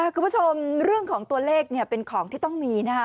คุณผู้ชมเรื่องของตัวเลขเป็นของที่ต้องมีนะคะ